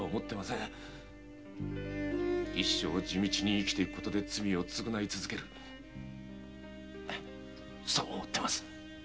一生地道に生きて行く事で罪を償い続けようと思っています。